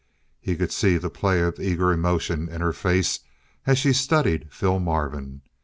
He could see the play of eager emotion in her face as she studied Phil Marvin.